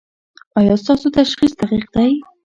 ایا ستاسو تشخیص دقیق دی؟